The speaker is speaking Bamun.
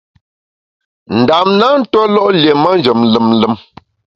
Ndam na ntuólo’ lié manjem lùm lùm.